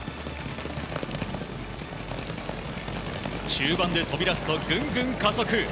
中盤で飛び出すとぐんぐん加速！